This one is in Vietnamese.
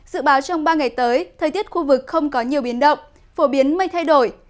dự báo trong ba ngày tới thời tiết khu vực không có nhiều biến động phổ biến mây thay đổi